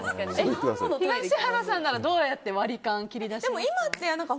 東原さんならどうやって割り勘切り出しますか。